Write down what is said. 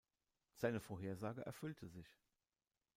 Seine Vorhersage erfüllte sich.